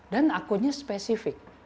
dan akunnya spesifik